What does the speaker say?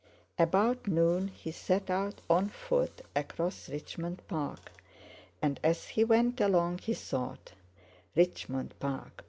About noon he set out on foot across Richmond Park, and as he went along, he thought: "Richmond Park!